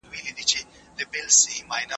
ایا تاسو کله هم ذهني ستړیا تجربه کړې؟